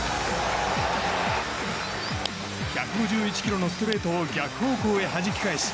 １５１キロのストレートを逆方向へはじき返し